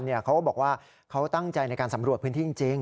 เขาก็บอกว่าเขาตั้งใจในการสำรวจพื้นที่จริง